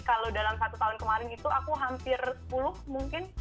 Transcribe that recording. kalau dalam satu tahun kemarin itu aku hampir sepuluh mungkin